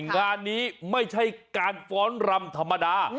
งานนี้ไม่ใช่การฟ้อนรำธรรมดา